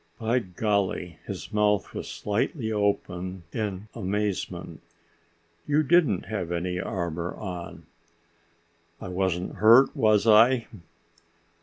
"By golly!" His mouth was slightly open in amazement. "You didn't have any armor on!" "I wasn't hurt, was I?"